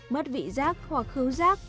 mất vị giác hoặc hưu giác